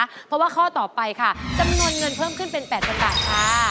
เพราะว่าข้อต่อไปค่ะจำนวนเงินเพิ่มขึ้นเป็น๘๐๐บาทค่ะ